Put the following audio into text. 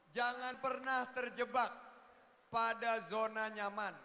jangan pernah terjebak pada zona nyaman